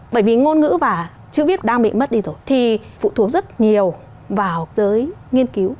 bởi vì ngôn ngữ và chữ viết đang bị mất đi rồi thì phụ thuộc rất nhiều vào giới nghiên cứu